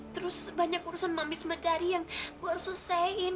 terus banyak urusan mami sementari yang gue harus selesaikan